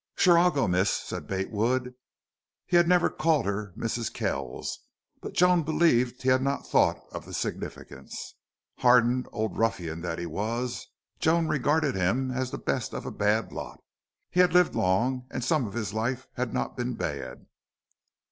"Shore I'll go, miss," said Bate Wood. He had never called her Mrs. Kells, but Joan believed he had not thought of the significance. Hardened old ruffian that he was. Joan regarded him as the best of a bad lot. He had lived long, and some of his life had not been bad.